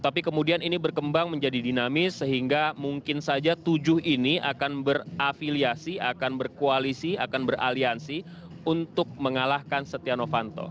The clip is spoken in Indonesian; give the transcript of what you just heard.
tapi kemudian ini berkembang menjadi dinamis sehingga mungkin saja tujuh ini akan berafiliasi akan berkoalisi akan beraliansi untuk mengalahkan setia novanto